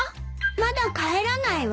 まだ帰らないわ。